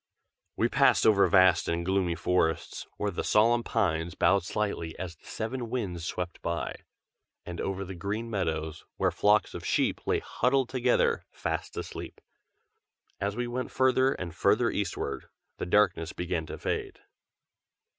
We passed over vast and gloomy forests, where the solemn pines bowed slightly as the seven Winds swept by; and over green meadows, where flocks of sheep lay huddled together, fast asleep. As we went further and further eastward, the darkness began to fade.